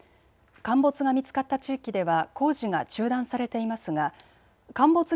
陥没が見つかった地域では工事が中断されていますが陥没